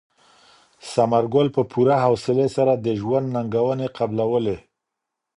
ثمر ګل په پوره حوصلې سره د ژوند ننګونې قبلولې.